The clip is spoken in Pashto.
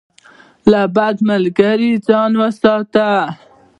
له بدو ملګرو ځان وساتئ.